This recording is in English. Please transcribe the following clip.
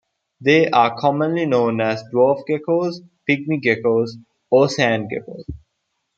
They are commonly known as dwarf geckos, pygmy geckos, or sand geckos.